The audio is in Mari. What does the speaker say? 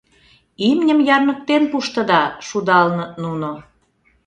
— Имньым ярныктен пуштыда! — шудалыныт нуно.